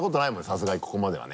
さすがにここまではね。